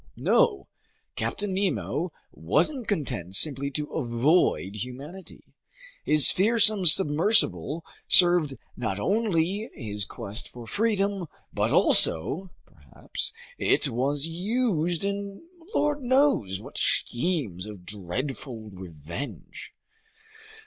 No! Captain Nemo wasn't content simply to avoid humanity! His fearsome submersible served not only his quest for freedom, but also, perhaps, it was used in lord knows what schemes of dreadful revenge.